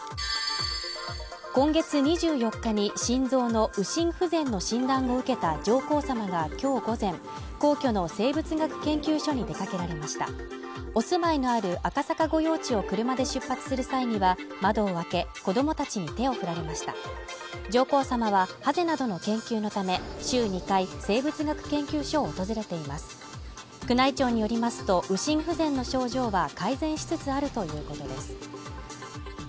今月２４日に心臓の右心不全の診断を受けた上皇さまがきょう午前皇居の生物学研究所に出掛けられましたお住まいのある赤坂御用地を車で出発する際には窓を開け子供たちに手を振られました上皇さまはハゼなどの研究のため週２回生物学研究所を訪れています宮内庁によりますと右心不全の症状は改善しつつあるということです